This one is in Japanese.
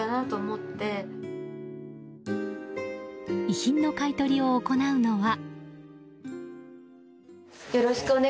遺品の買い取りを行うのは。